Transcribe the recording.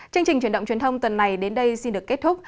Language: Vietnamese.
chương trình truyền động truyền thông tuần này đến đây xin được kết thúc